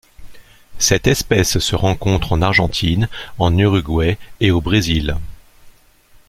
Cette espèce se rencontre en Argentine, en Uruguay et au Brésil.